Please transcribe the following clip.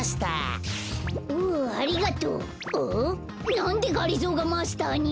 なんでがりぞーがマスターに？